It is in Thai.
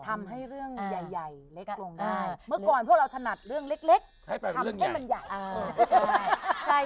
ทำให้เรื่องใหญ่เล็กลงได้เมื่อก่อนพวกเราถนัดเรื่องเล็กทำให้มันใหญ่